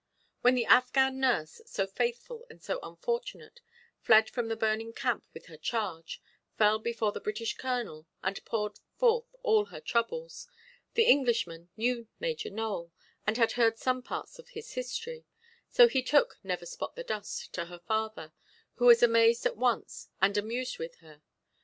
Then the Affghan nurse, so faithful and so unfortunate, fled from the burning camp with her charge, fell before the British colonel, and poured forth all her troubles. The Englishman knew Major Nowell, and had heard some parts of his history; so he took "Never–spot–the–dust" to her father, who was amazed at once and amused with her.